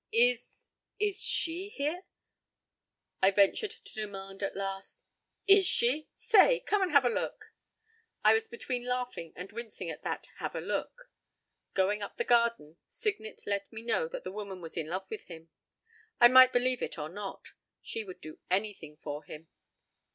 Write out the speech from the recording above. p> "Is—is she here?" I ventured to demand at last. "Is she? Say! Come and have a look." I was between laughing and wincing at that "have a look." Going up the garden, Signet let me know that the woman was in love with him. I might believe it or not. She would do anything for him.